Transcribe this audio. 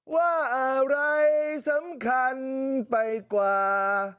ว่าอะไรสำคัญไปกว่า